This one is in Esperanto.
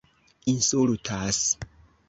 insultas